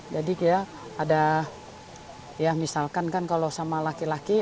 jadi ya misalkan kan kalau sama laki laki